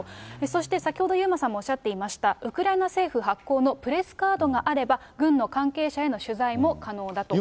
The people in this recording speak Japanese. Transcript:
そして先ほど遊馬さんもおっしゃっていました、ウクライナ政府発行のプレスカードがあれば軍の関係者への取材も可能だと。